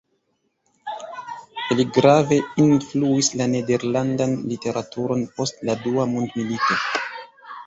Li grave influis la nederlandan literaturon post la Dua Mondmilito.